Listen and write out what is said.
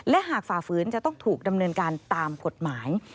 และหากฝ่าฝืนจะต้องถูกดำเนินการตามกฎหมาย